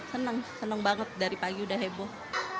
senang senang banget dari pagi udah heboh